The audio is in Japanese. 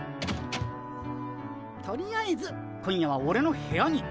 とりあえず今夜はオレの部屋に。